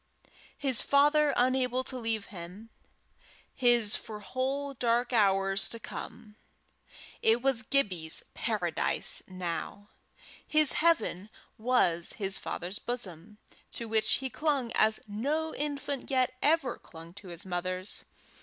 his father unable to leave him his for whole dark hours to come! It was Gibbie's paradise now! His heaven was his father's bosom, to which he clung as no infant yet ever clung to his mother's.